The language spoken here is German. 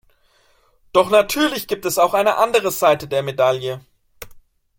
Doch natürlich gibt es auch eine andere Seite der Medaille.